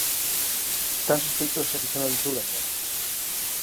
Tan sospeitosa que xa me avisou Daniel.